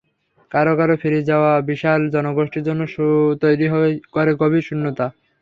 কারও কারও ফিরে যাওয়া বিশাল জনগোষ্ঠীর জন্য তৈরি করে গভীর শূন্যতা।